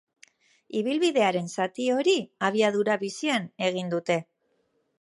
Ibilbidearen zati hori abiadura bizian egin dute.